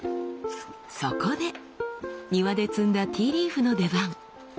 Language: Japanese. そこで庭で摘んだティーリーフの出番！